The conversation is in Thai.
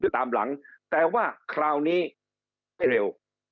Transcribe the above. แต่ว่าคราวนี้ไม่เร็ว